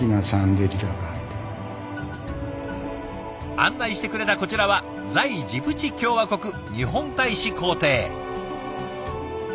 案内してくれたこちらは在ジブチ共和国日本大使公邸。